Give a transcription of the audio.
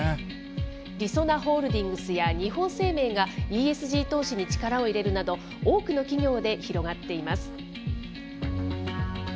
りそなホールディングスや日本生命が、ＥＳＧ投資に力を入れるなど、多くの企業で広がっています。